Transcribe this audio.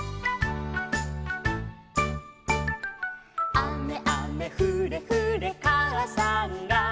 「あめあめふれふれかあさんが」